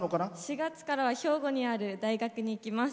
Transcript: ４月からは兵庫にある大学に行きます。